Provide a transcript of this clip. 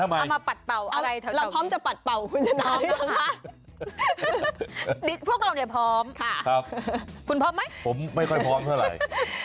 เราจะขอกักขุอมาสักทั้งแบบ